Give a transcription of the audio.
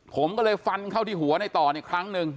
ผมก็เลยฟันเข้าที่หัวในต่อเนี่ยครั้งหนึ่ง